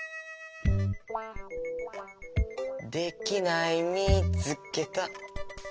できないみつけた。